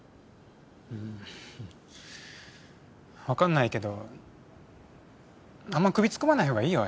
うーんわかんないけどあんまり首突っ込まないほうがいいよ